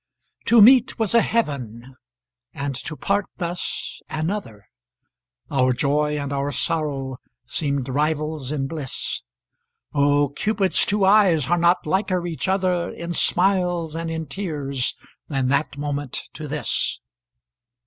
To meet was a heaven and to part thus another, Our joy and our sorrow seemed rivals in bliss; Oh! Cupid's two eyes are not liker each other In smiles and in tears than that moment to this.